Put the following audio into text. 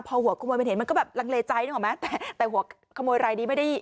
พอหัวขโมยมันเห็นมันก็แบบลังเลใจนึกออกไหมแต่แต่หัวขโมยรายนี้ไม่ได้